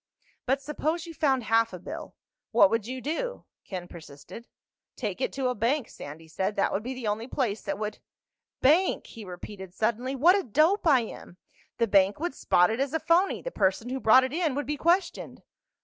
"But suppose you found half a bill. What would you do?" Ken persisted. "Take it to a bank," Sandy said. "That would be the only place that would—Bank!" he repeated suddenly. "What a dope I am! The bank would spot it as a phony. The person who brought it in would be questioned."